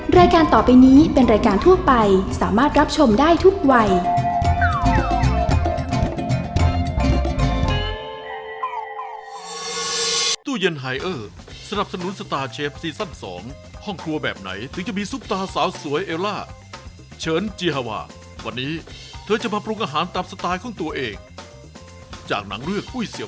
รายการต่อไปนี้เป็นรายการทั่วไปสามารถรับชมได้ทุกวัย